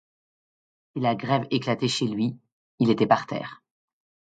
Si la grève éclatait chez lui, il était par terre.